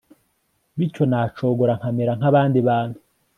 bityo nacogora nkamera nk'abandi bantu